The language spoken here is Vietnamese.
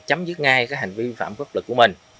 chấm dứt ngay hành vi phạm phức lực của mình